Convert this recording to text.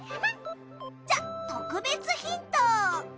じゃ特別ヒント。